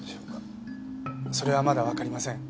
それはまだわかりません。